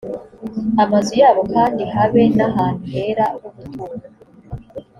amazu yabo kandi habe n ahantu hera h ubuturo